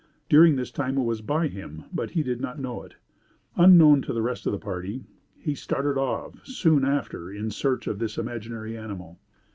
During this time it was by him, but he did not know it. Unknown to the rest of the party he started off soon after in search of his imaginary animal.